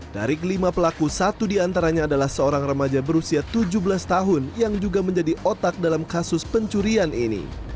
dari kelima pelaku satu diantaranya adalah seorang remaja berusia tujuh belas tahun yang juga menjadi otak dalam kasus pencurian ini